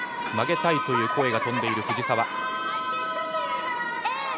曲げたいという声が飛んでいる藤澤。